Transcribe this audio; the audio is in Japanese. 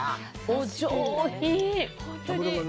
お上品。